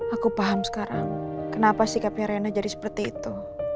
aku paham sekarang kenapa sikapnya rena jadi seperti itu